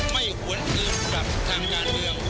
ไม่หวนอื่นกับทางด้านเรียน